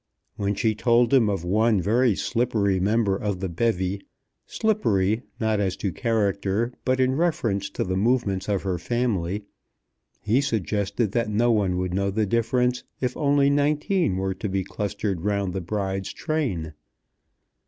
When she told him of one very slippery member of the bevy, slippery, not as to character, but in reference to the movements of her family, he suggested that no one would know the difference if only nineteen were to be clustered round the bride's train.